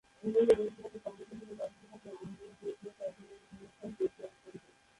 উন্নত দেশগুলোতে পানি শোধণের ব্যবস্থা থাকলেও অনুন্নত দেশগুলো এখনো এই সমস্যায় বেশি আক্রান্ত।